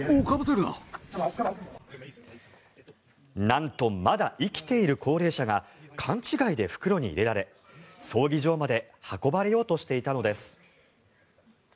なんとまだ生きている高齢者が勘違いで袋に入れられ葬儀場まで運ばれようとしていたのです。